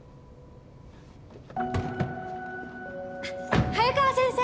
あっ早川先生